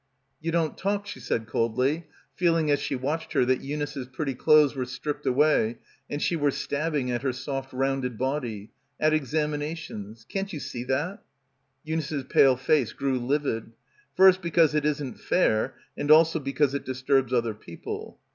"You don't talk," she said coldly, feeling as she watched her that Eunice's pretty clothes were stripped away and she were stabbing at her soft rounded body, "at examinations. Can't you see that?" Eunice's pale face grew livid. "First because it isn't fair and also because it disturbs other peo ple."